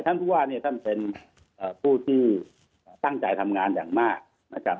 ท่านธุวาค์นี่ท่านเป็นผู้ที่ตั้งใจทำงานอย่างมาก